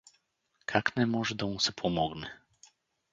— Как не може да му се помогне?